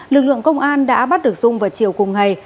lực lượng công an đã bắt được dung vào chiều cùng ngày